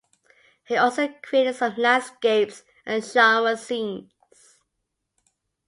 He also created some landscapes and genre scenes.